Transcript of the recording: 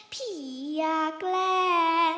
พี่อยากแรง